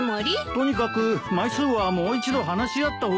とにかく枚数はもう一度話し合った方がいいよ。